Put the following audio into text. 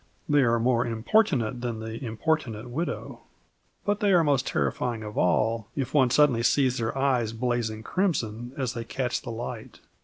They are more importunate than the importunate widow. But they are most terrifying of all if one suddenly sees their eyes blazing crimson as they catch the light.